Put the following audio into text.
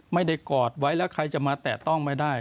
กอดไว้แล้วใครจะมาแตะต้องไม่ได้